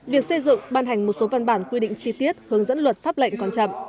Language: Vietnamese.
việc xây dựng ban hành một số văn bản quy định chi tiết hướng dẫn luật pháp lệnh còn chậm